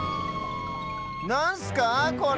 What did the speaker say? なんすかこれ？